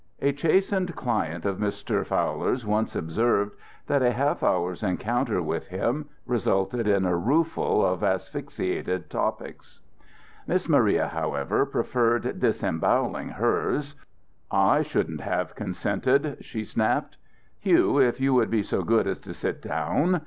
A chastened client of Mr. Fowler's once observed that a half hour's encounter with him resulted in a rueful of asphyxiated topics. Miss Maria, however, preferred disemboweling hers, "I shouldn't have consented," she snapped. "Hugh, if you would be so good as to sit down.